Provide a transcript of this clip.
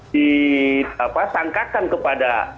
di apa sangkakan kepada